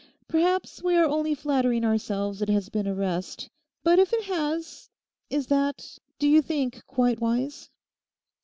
Perhaps we are only flattering ourselves it has been a rest. But if it has—is that, do you think, quite wise?